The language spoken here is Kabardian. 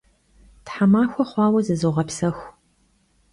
Themaxue xhuaue zızoğepsexu.